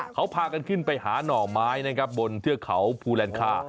เขาพากันขึ้นไปหาน่อไม้บนเทือกเขาภูแแลนค่า